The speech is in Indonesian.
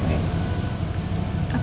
terima kasih banyak ya